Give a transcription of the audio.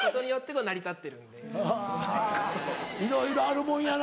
はぁいろいろあるもんやな。